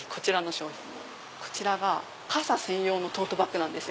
こちらが傘専用のトートバッグなんです。